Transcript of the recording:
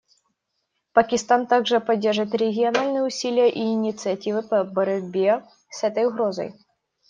Пакистан также поддержит региональные усилия и инициативы по борьбе с этой угрозой.